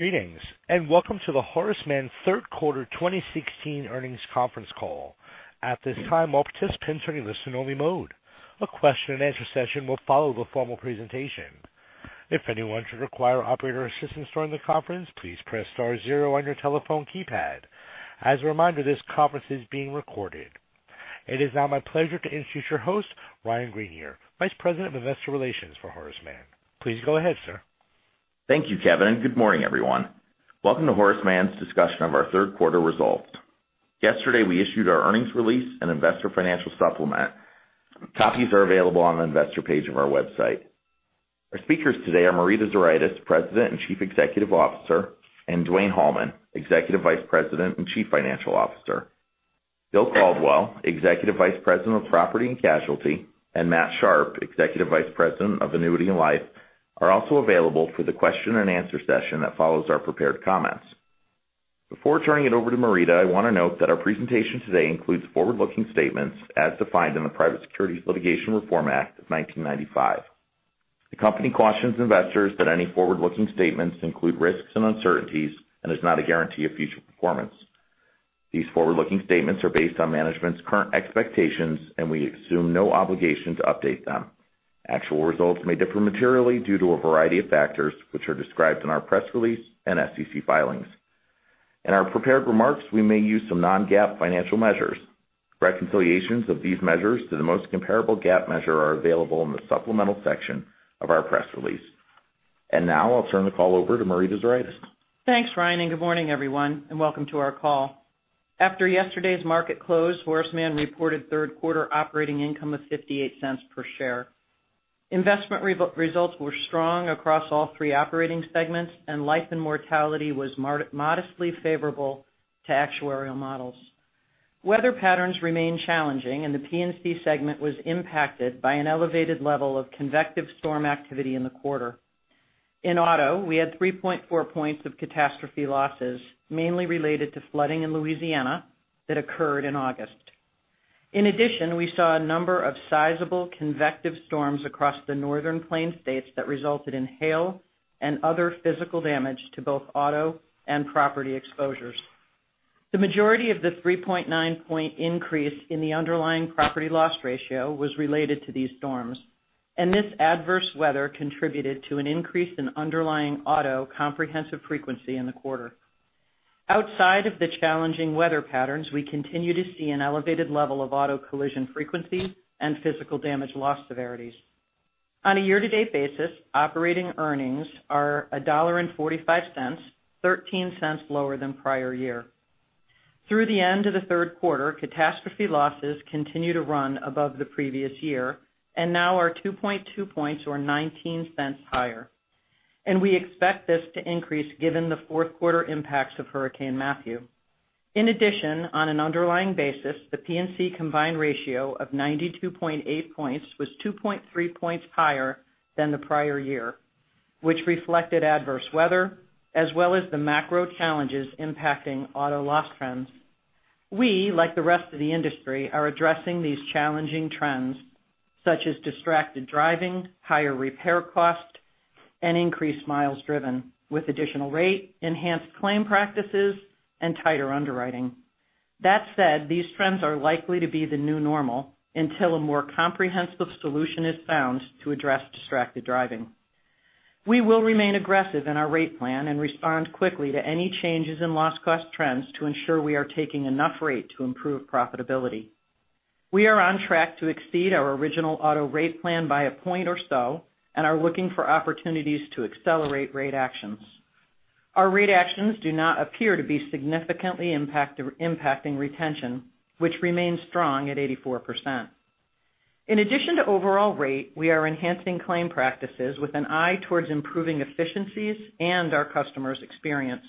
Greetings. Welcome to the Horace Mann third quarter 2016 earnings conference call. At this time, all participants are in listen-only mode. A question and answer session will follow the formal presentation. If anyone should require operator assistance during the conference, please press star zero on your telephone keypad. As a reminder, this conference is being recorded. It is now my pleasure to introduce your host, Ryan Greenier, Vice President of Investor Relations for Horace Mann. Please go ahead, sir. Thank you, Kevin. Good morning, everyone. Welcome to Horace Mann's discussion of our third quarter results. Yesterday, we issued our earnings release and investor financial supplement. Copies are available on the investor page of our website. Our speakers today are Marita Zuraitis, President and Chief Executive Officer, and Dwayne Hallman, Executive Vice President and Chief Financial Officer. Bill Caldwell, Executive Vice President of Property and Casualty, and Matt Sharpe, Executive Vice President of Annuity and Life, are also available for the question and answer session that follows our prepared comments. Before turning it over to Marita, I want to note that our presentation today includes forward-looking statements as defined in the Private Securities Litigation Reform Act of 1995. The company cautions investors that any forward-looking statements include risks and uncertainties and is not a guarantee of future performance. These forward-looking statements are based on management's current expectations. We assume no obligation to update them. Actual results may differ materially due to a variety of factors, which are described in our press release and SEC filings. In our prepared remarks, we may use some non-GAAP financial measures. Reconciliations of these measures to the most comparable GAAP measure are available in the supplemental section of our press release. Now I'll turn the call over to Marita Zuraitis. Thanks, Ryan. Good morning, everyone. Welcome to our call. After yesterday's market close, Horace Mann reported third-quarter operating income of $0.58 per share. Investment results were strong across all 3 operating segments. Life and mortality was modestly favorable to actuarial models. Weather patterns remain challenging. The P&C segment was impacted by an elevated level of convective storm activity in the quarter. In auto, we had 3.4 points of catastrophe losses, mainly related to flooding in Louisiana that occurred in August. In addition, we saw a number of sizable convective storms across the northern plain states that resulted in hail and other physical damage to both auto and property exposures. The majority of the 3.9 point increase in the underlying property loss ratio was related to these storms. This adverse weather contributed to an increase in underlying auto comprehensive frequency in the quarter. Outside of the challenging weather patterns, we continue to see an elevated level of auto collision frequency and physical damage loss severities. On a year-to-date basis, operating earnings are $1.45, $0.13 lower than prior year. Through the end of the third quarter, catastrophe losses continue to run above the previous year and now are 2.2 points or $0.19 higher. We expect this to increase given the fourth quarter impacts of Hurricane Matthew. In addition, on an underlying basis, the P&C combined ratio of 92.8 points was 2.3 points higher than the prior year, which reflected adverse weather as well as the macro challenges impacting auto loss trends. We, like the rest of the industry, are addressing these challenging trends, such as distracted driving, higher repair costs, and increased miles driven, with additional rate, enhanced claim practices, and tighter underwriting. That said, these trends are likely to be the new normal until a more comprehensive solution is found to address distracted driving. We will remain aggressive in our rate plan and respond quickly to any changes in loss cost trends to ensure we are taking enough rate to improve profitability. We are on track to exceed our original auto rate plan by a point or so and are looking for opportunities to accelerate rate actions. Our rate actions do not appear to be significantly impacting retention, which remains strong at 84%. In addition to overall rate, we are enhancing claim practices with an eye towards improving efficiencies and our customer's experience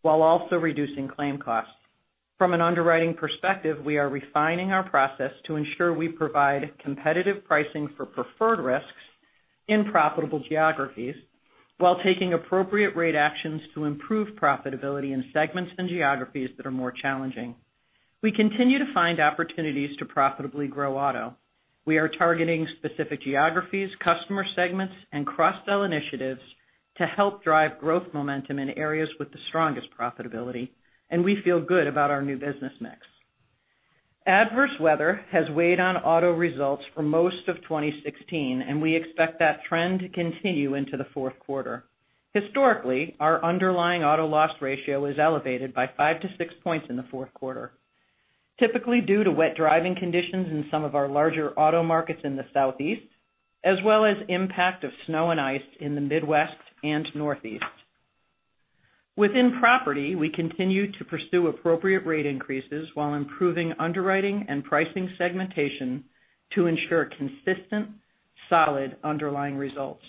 while also reducing claim costs. From an underwriting perspective, we are refining our process to ensure we provide competitive pricing for preferred risks in profitable geographies while taking appropriate rate actions to improve profitability in segments and geographies that are more challenging. We continue to find opportunities to profitably grow auto. We are targeting specific geographies, customer segments, and cross-sell initiatives to help drive growth momentum in areas with the strongest profitability. We feel good about our new business mix. Adverse weather has weighed on auto results for most of 2016. We expect that trend to continue into the fourth quarter. Historically, our underlying auto loss ratio is elevated by 5 to 6 points in the fourth quarter, typically due to wet driving conditions in some of our larger auto markets in the Southeast, as well as impact of snow and ice in the Midwest and Northeast. Within property, we continue to pursue appropriate rate increases while improving underwriting and pricing segmentation to ensure consistent, solid underlying results.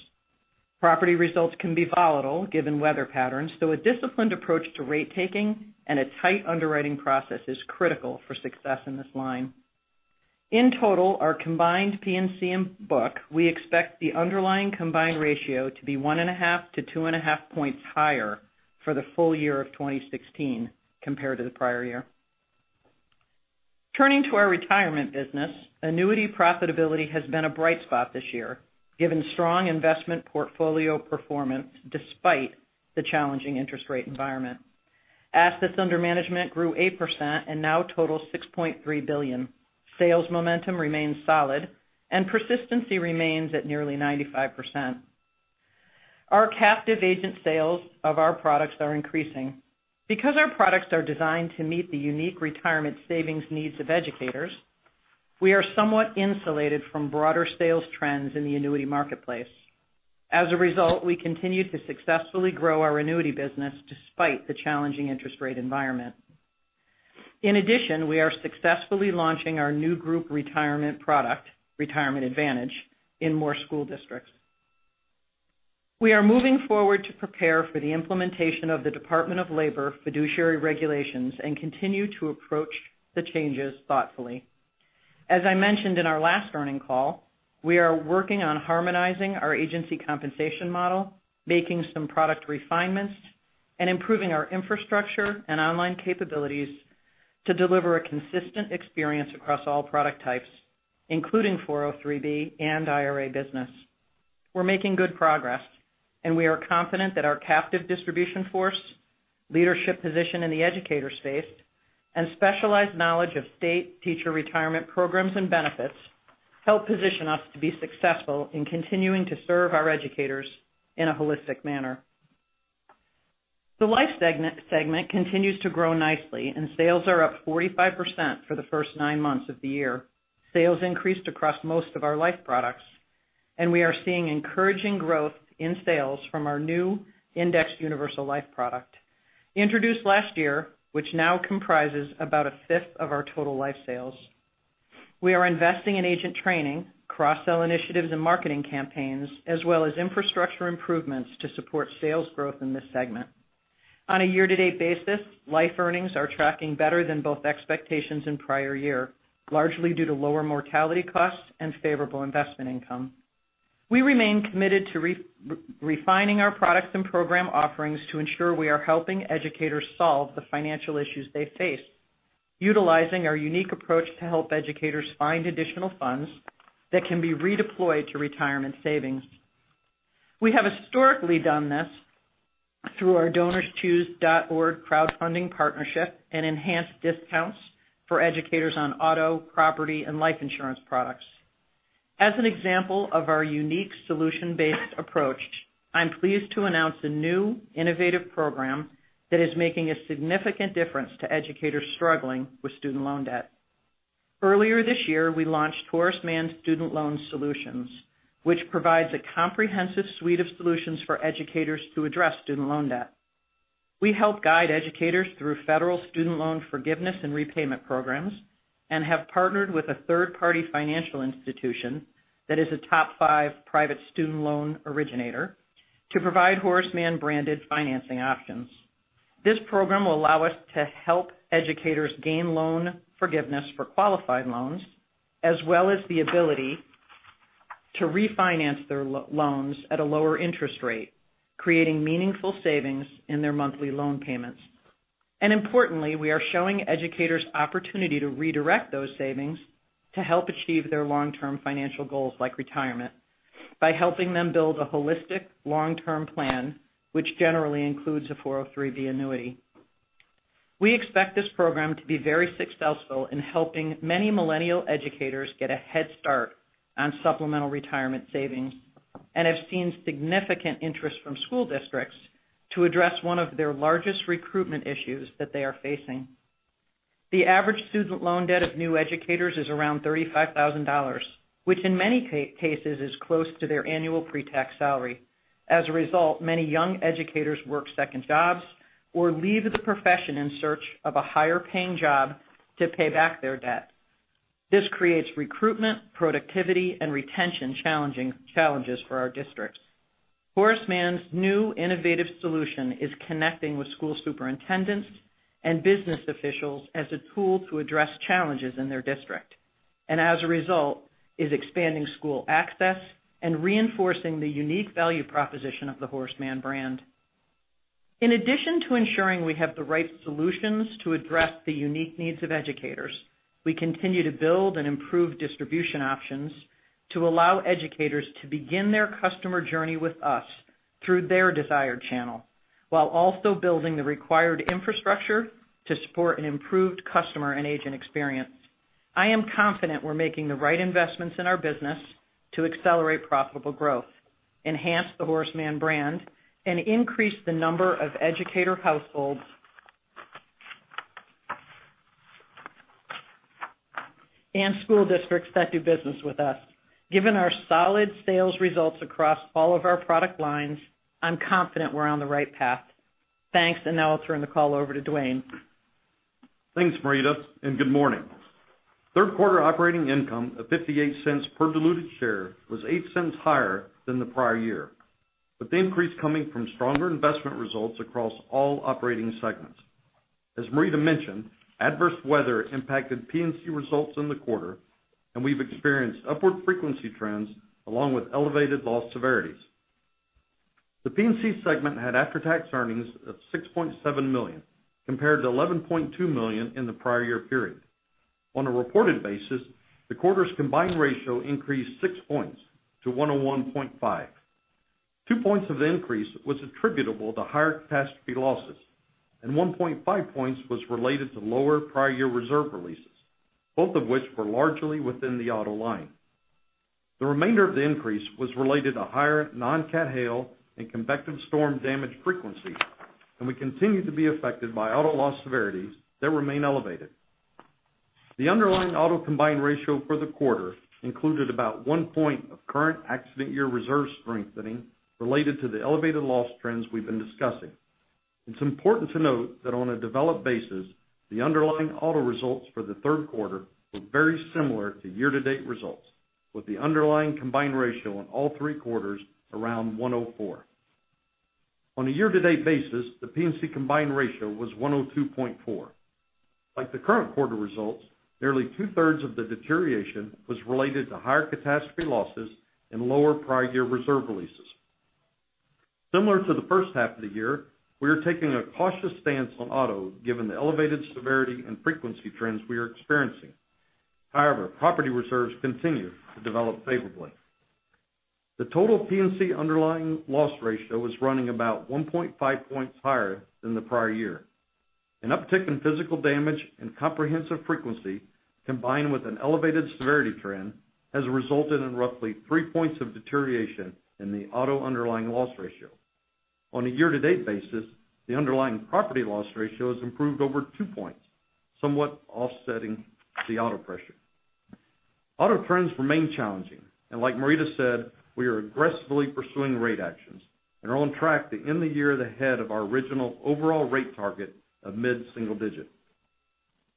Property results can be volatile given weather patterns. A disciplined approach to rate taking and a tight underwriting process is critical for success in this line. In total, our combined P&C book, we expect the underlying combined ratio to be 1.5-2.5 points higher for the full year of 2016 compared to the prior year. Turning to our retirement business, annuity profitability has been a bright spot this year, given strong investment portfolio performance despite the challenging interest rate environment. Assets under management grew 8% and now total $6.3 billion. Sales momentum remains solid, and persistency remains at nearly 95%. Our captive agent sales of our products are increasing. Because our products are designed to meet the unique retirement savings needs of educators, we are somewhat insulated from broader sales trends in the annuity marketplace. As a result, we continue to successfully grow our annuity business despite the challenging interest rate environment. In addition, we are successfully launching our new group retirement product, Retirement Advantage, in more school districts. We are moving forward to prepare for the implementation of the Department of Labor fiduciary regulations and continue to approach the changes thoughtfully. As I mentioned in our last earning call, we are working on harmonizing our agency compensation model, making some product refinements, and improving our infrastructure and online capabilities to deliver a consistent experience across all product types, including 403 and IRA business. We're making good progress. We are confident that our captive distribution force, leadership position in the educator space, and specialized knowledge of state teacher retirement programs and benefits help position us to be successful in continuing to serve our educators in a holistic manner. The life segment continues to grow nicely. Sales are up 45% for the first nine months of the year. Sales increased across most of our life products. We are seeing encouraging growth in sales from our new Indexed Universal Life product, introduced last year, which now comprises about a fifth of our total life sales. We are investing in agent training, cross-sell initiatives, and marketing campaigns, as well as infrastructure improvements to support sales growth in this segment. On a year-to-date basis, life earnings are tracking better than both expectations and prior year, largely due to lower mortality costs and favorable investment income. We remain committed to refining our products and program offerings to ensure we are helping educators solve the financial issues they face, utilizing our unique approach to help educators find additional funds that can be redeployed to retirement savings. We have historically done this through our DonorsChoose crowdfunding partnership and enhanced discounts for educators on auto, property, and life insurance products. As an example of our unique solution-based approach, I'm pleased to announce a new innovative program that is making a significant difference to educators struggling with student loan debt. Earlier this year, we launched Horace Mann Student Loan Solutions, which provides a comprehensive suite of solutions for educators to address student loan debt. We help guide educators through federal student loan forgiveness and repayment programs and have partnered with a third-party financial institution that is a top five private student loan originator to provide Horace Mann-branded financing options. This program will allow us to help educators gain loan forgiveness for qualified loans, as well as the ability to refinance their loans at a lower interest rate, creating meaningful savings in their monthly loan payments. Importantly, we are showing educators opportunity to redirect those savings to help achieve their long-term financial goals like retirement by helping them build a holistic, long-term plan, which generally includes a 403 annuity. We expect this program to be very successful in helping many millennial educators get a head start on supplemental retirement savings and have seen significant interest from school districts to address one of their largest recruitment issues that they are facing. The average student loan debt of new educators is around $35,000, which in many cases is close to their annual pre-tax salary. As a result, many young educators work second jobs or leave the profession in search of a higher paying job to pay back their debt. This creates recruitment, productivity, and retention challenges for our districts. Horace Mann's new innovative solution is connecting with school superintendents and business officials as a tool to address challenges in their district, and as a result, is expanding school access and reinforcing the unique value proposition of the Horace Mann brand. In addition to ensuring we have the right solutions to address the unique needs of educators, we continue to build and improve distribution options to allow educators to begin their customer journey with us through their desired channel, while also building the required infrastructure to support an improved customer and agent experience. I am confident we're making the right investments in our business to accelerate profitable growth, enhance the Horace Mann brand, and increase the number of educator households and school districts that do business with us. Given our solid sales results across all of our product lines, I'm confident we're on the right path. Thanks. Now I'll turn the call over to Dwayne. Thanks, Marita, and good morning. Third quarter operating income of $0.58 per diluted share was $0.08 higher than the prior year, with the increase coming from stronger investment results across all operating segments. As Marita mentioned, adverse weather impacted P&C results in the quarter, and we've experienced upward frequency trends along with elevated loss severities. The P&C segment had after-tax earnings of $6.7 million, compared to $11.2 million in the prior year period. On a reported basis, the quarter's combined ratio increased 6 points to 101.5. 2 points of the increase was attributable to higher catastrophe losses, and 1.5 points was related to lower prior year reserve releases, both of which were largely within the auto line. The remainder of the increase was related to higher non-cat hail and convective storm damage frequency, and we continue to be affected by auto loss severities that remain elevated. The underlying auto combined ratio for the quarter included about 1 point of current accident year reserve strengthening related to the elevated loss trends we've been discussing. It's important to note that on a developed basis, the underlying auto results for the third quarter were very similar to year-to-date results, with the underlying combined ratio on all three quarters around 104. On a year-to-date basis, the P&C combined ratio was 102.4. Like the current quarter results, nearly two-thirds of the deterioration was related to higher catastrophe losses and lower prior year reserve releases. Similar to the first half of the year, we are taking a cautious stance on auto, given the elevated severity and frequency trends we are experiencing. However, property reserves continue to develop favorably. The total P&C underlying loss ratio is running about 1.5 points higher than the prior year. An uptick in physical damage and comprehensive frequency, combined with an elevated severity trend, has resulted in roughly three points of deterioration in the auto underlying loss ratio. On a year-to-date basis, the underlying property loss ratio has improved over two points, somewhat offsetting the auto pressure. Auto trends remain challenging. Like Marita Zuraitis said, we are aggressively pursuing rate actions and are on track to end the year ahead of our original overall rate target of mid-single digit.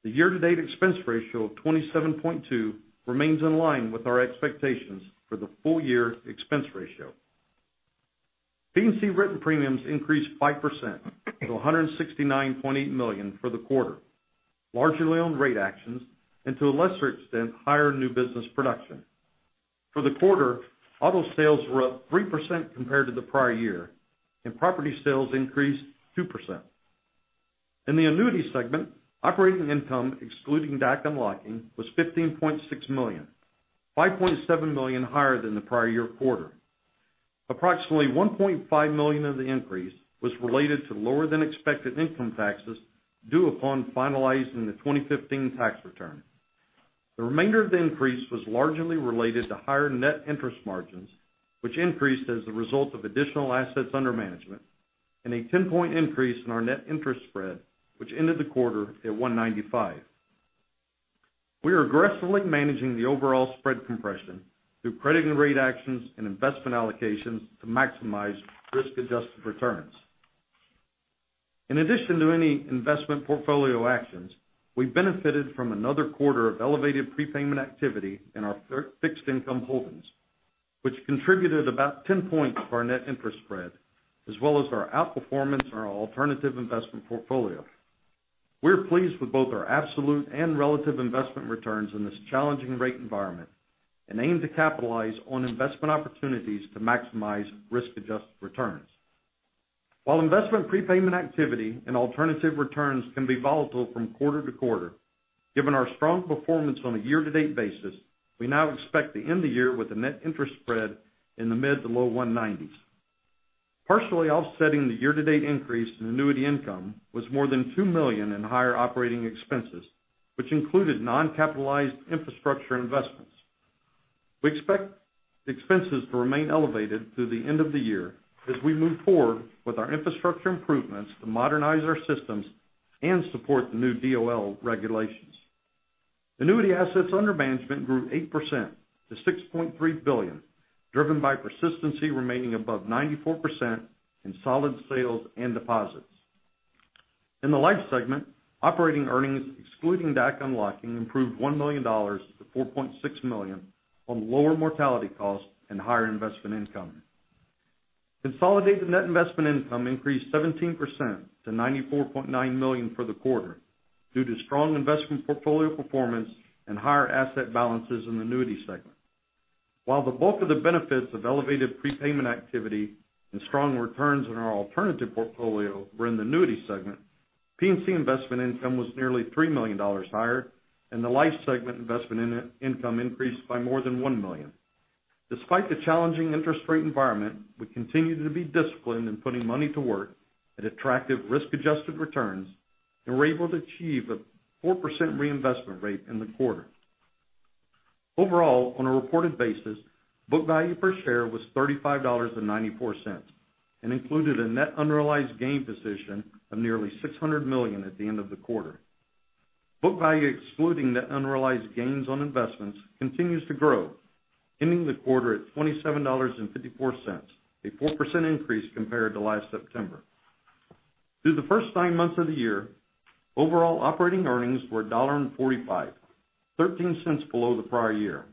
The year-to-date expense ratio of 27.2% remains in line with our expectations for the full year expense ratio. P&C written premiums increased 5% to $169.8 million for the quarter, largely on rate actions and to a lesser extent, higher new business production. For the quarter, auto sales were up 3% compared to the prior year. Property sales increased 2%. In the Annuity segment, operating income excluding DAC unlocking was $15.6 million, $5.7 million higher than the prior year quarter. Approximately $1.5 million of the increase was related to lower than expected income taxes due upon finalizing the 2015 tax return. The remainder of the increase was largely related to higher net interest margins, which increased as a result of additional assets under management and a 10-point increase in our net interest spread, which ended the quarter at 195. We are aggressively managing the overall spread compression through credit and rate actions and investment allocations to maximize risk-adjusted returns. In addition to any investment portfolio actions, we benefited from another quarter of elevated prepayment activity in our fixed income holdings, which contributed about 10 points of our net interest spread, as well as our outperformance in our alternative investment portfolio. We are pleased with both our absolute and relative investment returns in this challenging rate environment and aim to capitalize on investment opportunities to maximize risk-adjusted returns. While investment prepayment activity and alternative returns can be volatile from quarter to quarter, given our strong performance on a year-to-date basis, we now expect to end the year with a net interest spread in the mid to low 190s. Partially offsetting the year-to-date increase in annuity income was more than $2 million in higher operating expenses, which included non-capitalized infrastructure investments. We expect expenses to remain elevated through the end of the year as we move forward with our infrastructure improvements to modernize our systems and support the new DOL regulations. Annuity assets under management grew 8% to $6.3 billion, driven by persistency remaining above 94% in solid sales and deposits. In the Life segment, operating earnings excluding DAC unlocking improved $1 million to $4.6 million on lower mortality costs and higher investment income. Consolidated net investment income increased 17% to $94.9 million for the quarter due to strong investment portfolio performance and higher asset balances in the Annuity segment. While the bulk of the benefits of elevated prepayment activity and strong returns on our alternative portfolio were in the Annuity segment, P&C investment income was nearly $3 million higher, and the Life segment investment income increased by more than $1 million. Despite the challenging interest rate environment, we continue to be disciplined in putting money to work at attractive risk-adjusted returns, and we were able to achieve a 4% reinvestment rate in the quarter. Overall, on a reported basis, book value per share was $35.94 and included a net unrealized gain position of nearly $600 million at the end of the quarter. Book value excluding net unrealized gains on investments continues to grow, ending the quarter at $27.54, a 4% increase compared to last September. Through the first nine months of the year, overall operating earnings were $1.45, $0.13 below the prior year.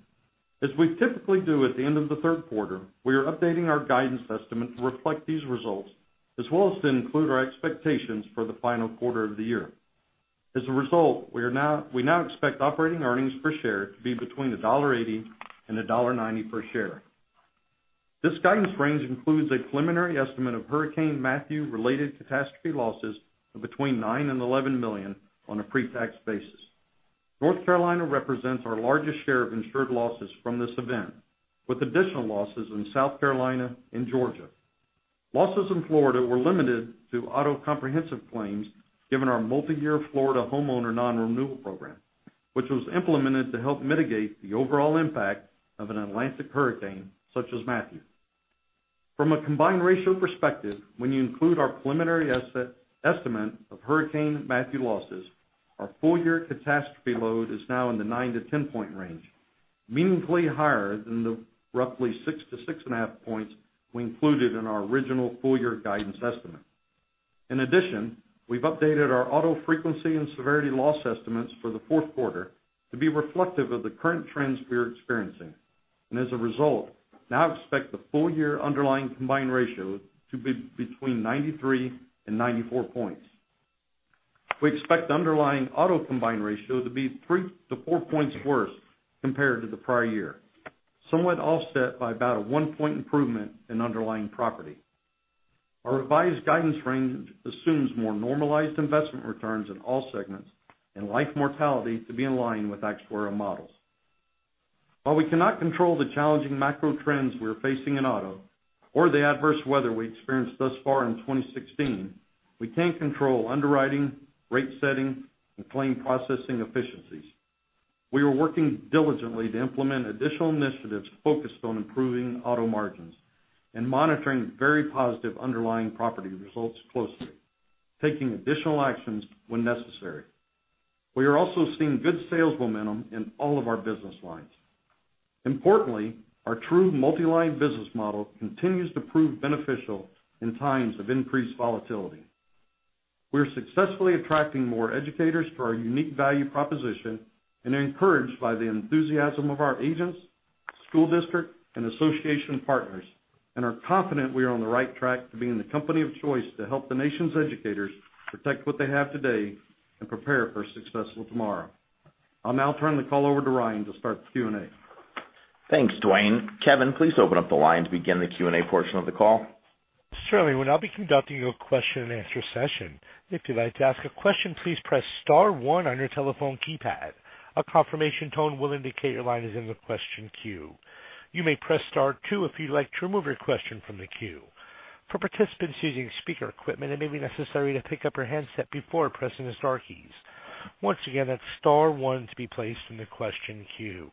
As we typically do at the end of the third quarter, we are updating our guidance estimate to reflect these results, as well as to include our expectations for the final quarter of the year. As a result, we now expect operating earnings per share to be between $1.80 and $1.90 per share. This guidance range includes a preliminary estimate of Hurricane Matthew-related catastrophe losses of between $9 million and $11 million on a pre-tax basis. North Carolina represents our largest share of insured losses from this event, with additional losses in South Carolina and Georgia. Losses in Florida were limited to auto comprehensive claims given our multi-year Florida homeowner non-renewal program, which was implemented to help mitigate the overall impact of an Atlantic hurricane such as Matthew. From a combined ratio perspective, when you include our preliminary estimate of Hurricane Matthew losses, our full-year catastrophe load is now in the 9 to 10-point range, meaningfully higher than the roughly 6 to 6.5 points we included in our original full-year guidance estimate. In addition, we've updated our auto frequency and severity loss estimates for the fourth quarter to be reflective of the current trends we are experiencing, and as a result, now expect the full-year underlying combined ratio to be between 93 and 94 points. We expect the underlying auto combined ratio to be 3 to 4 points worse compared to the prior year, somewhat offset by about a one-point improvement in underlying property. Our revised guidance range assumes more normalized investment returns in all segments and life mortality to be in line with actuary models. While we cannot control the challenging macro trends we are facing in auto or the adverse weather we experienced thus far in 2016, we can control underwriting, rate setting, and claim processing efficiencies. We are working diligently to implement additional initiatives focused on improving auto margins and monitoring very positive underlying property results closely, taking additional actions when necessary. We are also seeing good sales momentum in all of our business lines. Importantly, our true multi-line business model continues to prove beneficial in times of increased volatility. We are successfully attracting more educators for our unique value proposition and are encouraged by the enthusiasm of our agents, school district, and association partners, and are confident we are on the right track to being the company of choice to help the nation's educators protect what they have today and prepare for a successful tomorrow. I'll now turn the call over to Ryan to start the Q&A. Thanks, Dwayne. Kevin, please open up the line to begin the Q&A portion of the call. Certainly. We'll now be conducting a question and answer session. If you'd like to ask a question, please press *1 on your telephone keypad. A confirmation tone will indicate your line is in the question queue. You may press *2 if you'd like to remove your question from the queue. For participants using speaker equipment, it may be necessary to pick up your handset before pressing the star keys. Once again, that's *1 to be placed in the question queue.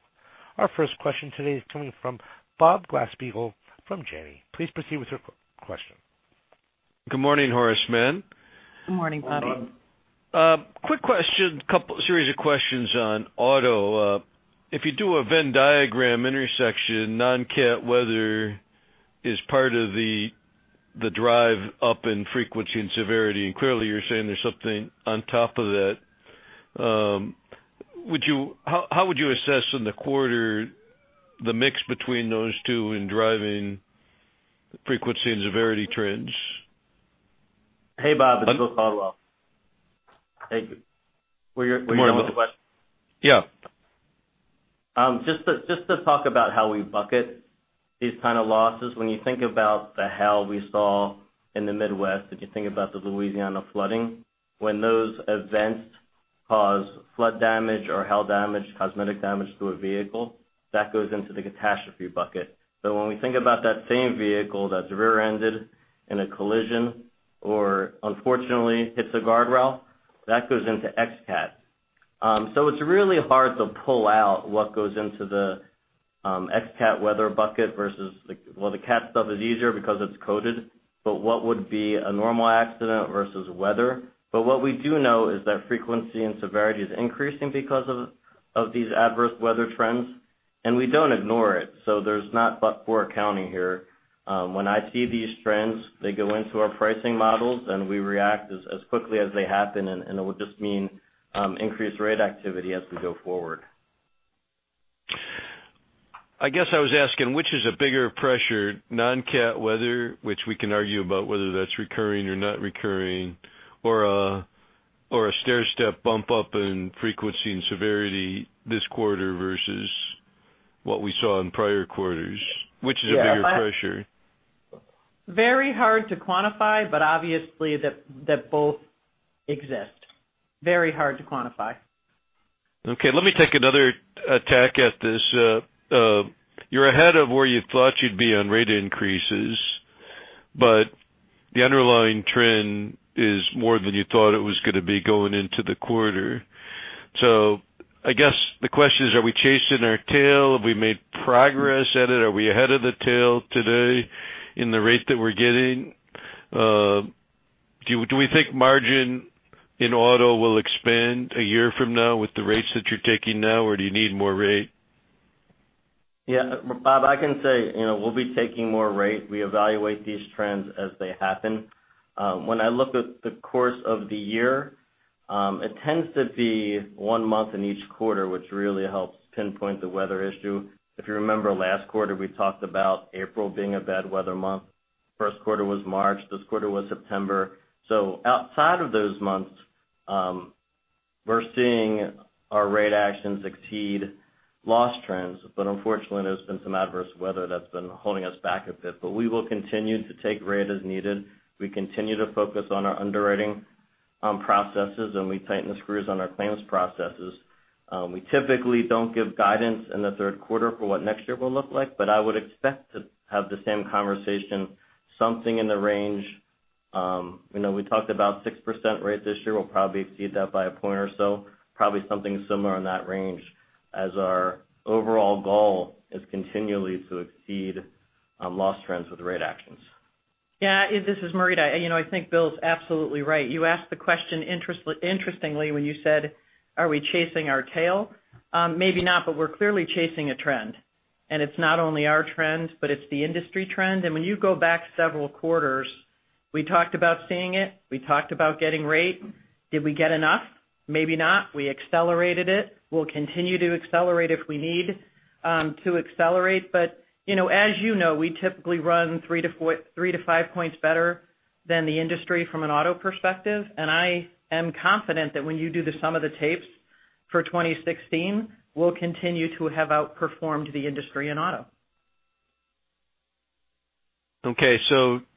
Our first question today is coming from Bob Glasspiegel from Janney. Please proceed with your question. Good morning, Horace Mann. Good morning, Bob. Quick question. Series of questions on auto. If you do a Venn diagram intersection, non-cat weather is part of the drive up in frequency and severity, and clearly you're saying there's something on top of that. How would you assess in the quarter the mix between those two in driving frequency and severity trends? Hey, Bob. This is William Caldwell. Were you done with the question? Yeah. Just to talk about how we bucket these kind of losses. When you think about the hail we saw in the Midwest, if you think about the Louisiana flooding, when those events cause flood damage or hail damage, cosmetic damage to a vehicle, that goes into the catastrophe bucket. When we think about that same vehicle that's rear-ended in a collision or unfortunately hits a guardrail, that goes into ex-cat. It's really hard to pull out what goes into the ex-cat weather bucket versus well, the cat stuff is easier because it's coded, but what would be a normal accident versus weather. What we do know is that frequency and severity is increasing because of these adverse weather trends, and we don't ignore it. There's not not bad or poor accounting here. When I see these trends, they go into our pricing models, and we react as quickly as they happen, and it would just mean increased rate activity as we go forward. I guess I was asking, which is a bigger pressure, non-cat weather, which we can argue about whether that's recurring or not recurring, or a stairstep bump up in frequency and severity this quarter versus what we saw in prior quarters? Which is a bigger pressure? Obviously they both exist. Very hard to quantify. Okay. Let me take another attack at this. You're ahead of where you thought you'd be on rate increases, the underlying trend is more than you thought it was going to be going into the quarter. I guess the question is, are we chasing our tail? Have we made progress at it? Are we ahead of the tail today in the rate that we're getting? Do we think margin in auto will expand a year from now with the rates that you're taking now, or do you need more rate? Yeah, Bob, I can say we'll be taking more rate. We evaluate these trends as they happen. When I look at the course of the year, it tends to be one month in each quarter, which really helps pinpoint the weather issue. If you remember last quarter, we talked about April being a bad weather month. First quarter was March, this quarter was September. Outside of those months, we're seeing our rate actions exceed loss trends. Unfortunately, there's been some adverse weather that's been holding us back a bit. We will continue to take rate as needed. We continue to focus on our underwriting processes, and we tighten the screws on our claims processes. We typically don't give guidance in the third quarter for what next year will look like, but I would expect to have the same conversation, something in the range. We talked about 6% rate this year. We'll probably exceed that by a point or so, probably something similar in that range as our overall goal is continually to exceed loss trends with rate actions. Yeah. This is Marita. I think Bill's absolutely right. You asked the question interestingly, when you said, are we chasing our tail? Maybe not, but we're clearly chasing a trend. It's not only our trend, but it's the industry trend. When you go back several quarters, we talked about seeing it. We talked about getting rate. Did we get enough? Maybe not. We accelerated it. We'll continue to accelerate if we need to accelerate. As you know, we typically run three to five points better than the industry from an auto perspective. I am confident that when you do the sum of the tapes for 2016, we'll continue to have outperformed the industry in auto. Okay.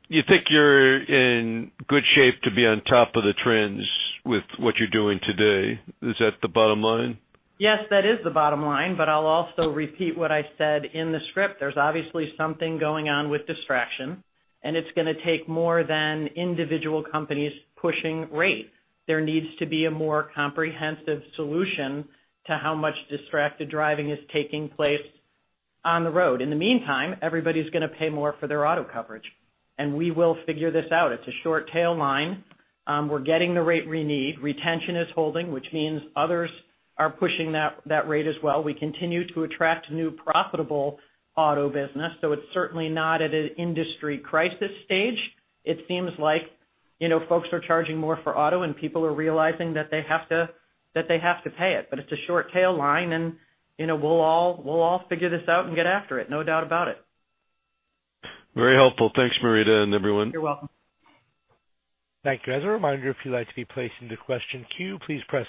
You think you're in good shape to be on top of the trends with what you're doing today. Is that the bottom line? Yes, that is the bottom line. I'll also repeat what I said in the script. There's obviously something going on with distraction, it's going to take more than individual companies pushing rate. There needs to be a more comprehensive solution to how much distracted driving is taking place on the road. In the meantime, everybody's going to pay more for their auto coverage. We will figure this out. It's a short tail line. We're getting the rate we need. Retention is holding, which means others are pushing that rate as well. We continue to attract new profitable auto business, it's certainly not at an industry crisis stage. It seems like folks are charging more for auto, people are realizing that they have to pay it. It's a short tail line, we'll all figure this out and get after it. No doubt about it. Very helpful. Thanks, Marita and everyone. You're welcome. Thank you. As a reminder, if you'd like to be placed into question queue, please press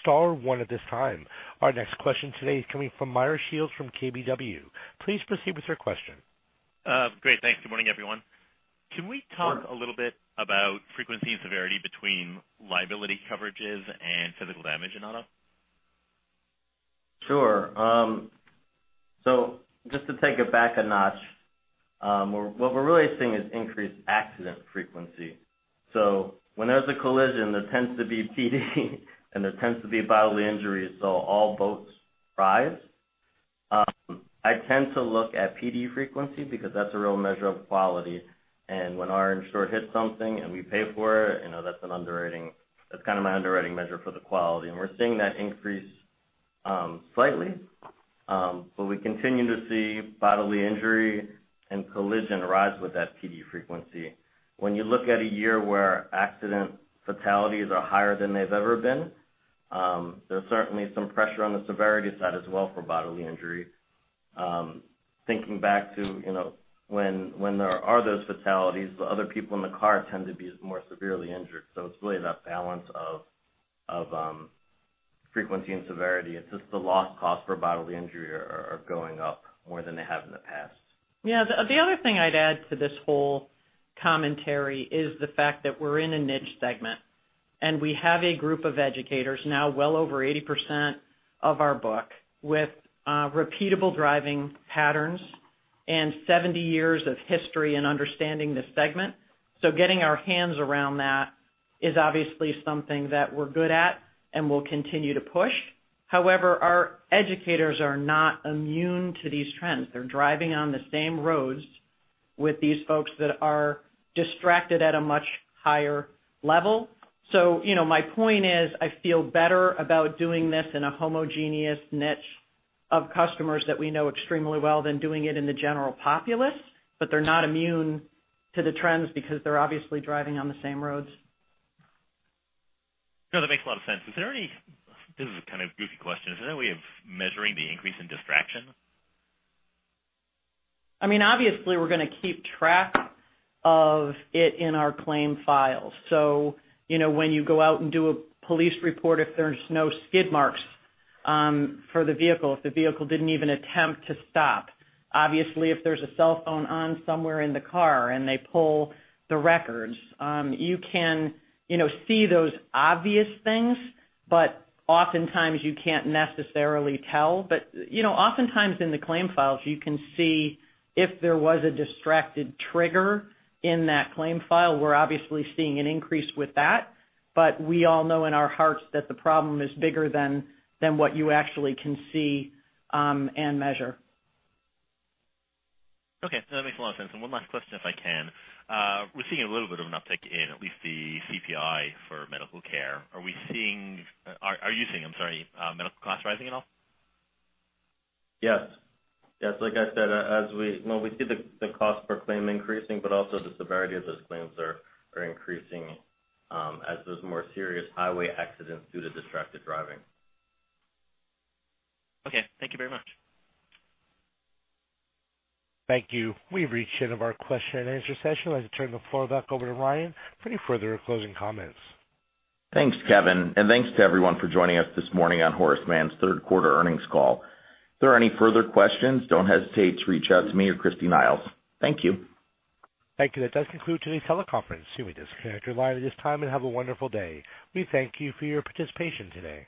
star one at this time. Our next question today is coming from Meyer Shields from KBW. Please proceed with your question. Great. Thanks. Good morning, everyone. Can we talk a little bit about frequency and severity between liability coverages and physical damage in auto? Sure. Just to take it back a notch, what we're really seeing is increased accident frequency. When there's a collision, there tends to be PD and there tends to be bodily injuries, so all boats rise. I tend to look at PD frequency because that's a real measure of quality. When our insured hits something and we pay for it, that's an underwriting. That's kind of my underwriting measure for the quality. We're seeing that increase slightly. We continue to see bodily injury and collision rise with that PD frequency. When you look at a year where accident fatalities are higher than they've ever been, there's certainly some pressure on the severity side as well for bodily injury. Thinking back to when there are those fatalities, the other people in the car tend to be more severely injured. It's really that balance of frequency and severity. It's just the loss costs for bodily injury are going up more than they have in the past. Yeah. The other thing I'd add to this whole commentary is the fact that we're in a niche segment, and we have a group of educators now, well over 80% of our book, with repeatable driving patterns and 70 years of history in understanding the segment. Getting our hands around that is obviously something that we're good at and will continue to push. However, our educators are not immune to these trends. They're driving on the same roads with these folks that are distracted at a much higher level. My point is, I feel better about doing this in a homogeneous niche of customers that we know extremely well than doing it in the general populace. They're not immune to the trends because they're obviously driving on the same roads. No, that makes a lot of sense. This is a kind of goofy question. Is there any way of measuring the increase in distraction? Obviously, we're going to keep track of it in our claim files. When you go out and do a police report, if there's no skid marks for the vehicle, if the vehicle didn't even attempt to stop, obviously if there's a cell phone on somewhere in the car and they pull the records, you can see those obvious things, but oftentimes you can't necessarily tell. Oftentimes in the claim files, you can see if there was a distracted trigger in that claim file. We're obviously seeing an increase with that. We all know in our hearts that the problem is bigger than what you actually can see and measure. Okay. That makes a lot of sense. One last question, if I can. We're seeing a little bit of an uptick in at least the CPI for medical care. Are you seeing, I'm sorry, medical costs rising at all? Yes. Like I said, we see the cost per claim increasing, but also the severity of those claims are increasing as those more serious highway accidents due to distracted driving. Okay. Thank you very much. Thank you. We've reached the end of our question and answer session. I'd like to turn the floor back over to Ryan for any further closing comments. Thanks, Kevin, and thanks to everyone for joining us this morning on Horace Mann's third quarter earnings call. If there are any further questions, don't hesitate to reach out to me or Christy Niles. Thank you. Thank you. That does conclude today's teleconference. You may disconnect your line at this time and have a wonderful day. We thank you for your participation today.